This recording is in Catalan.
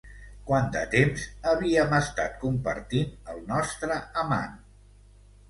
Quant de temps havíem estat compartint el nostre amant?